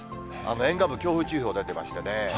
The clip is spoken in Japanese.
沿岸部、強風注意報出てましてね。